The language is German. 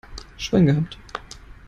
Schwein gehabt!